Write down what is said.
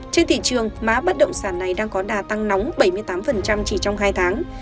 trên thị trường má bất động sản này đang có đà tăng nóng bảy mươi tám chỉ trong hai tháng